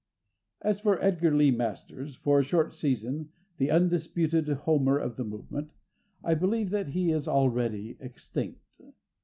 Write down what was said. As for Edgar Lee Masters, for a short season the undisputed Homer of the movement, I believe that he is already extinct.